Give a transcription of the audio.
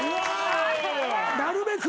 なるべく。